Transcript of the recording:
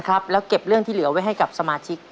ครับแล้วเก็บเรื่องที่เหลือไว้ให้กับสมาชิก